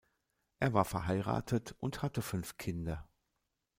Er war verheiratet und hatte fünf Kinder.